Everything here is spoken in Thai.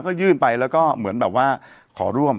ก็ยื่นไปแล้วก็เหมือนแบบว่าขอร่วม